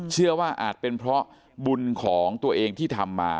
อาจเป็นเพราะบุญของตัวเองที่ทำมา